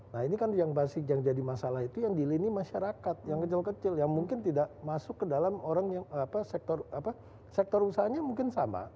nah ini kan yang jadi masalah itu yang di lini masyarakat yang kecil kecil yang mungkin tidak masuk ke dalam orang yang sektor usahanya mungkin sama